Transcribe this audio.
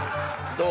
どう？